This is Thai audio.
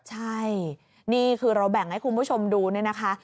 ใช่นี่คือเราแบ่งให้คุณผู้ชมดูเนี่ยนะคะ